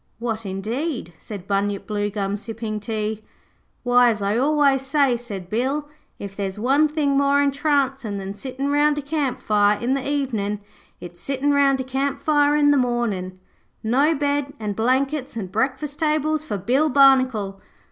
'What indeed?' said Bunyip Bluegum sipping tea. 'Why, as I always say,' said Bill, 'if there's one thing more entrancin' than sittin' round a camp fire in the evenin' it's sitting round a camp fire in the mornin'. No bed and blankets and breakfast tables for Bill Barnacle.